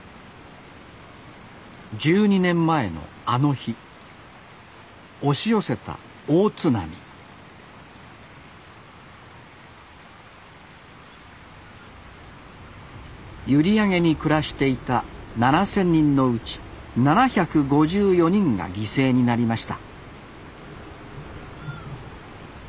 １２年前のあの日押し寄せた大津波閖上に暮らしていた７，０００人のうち７５４人が犠牲になりました